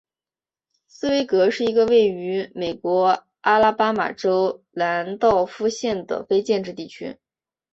斯威格是一个位于美国阿拉巴马州兰道夫县的非建制地区。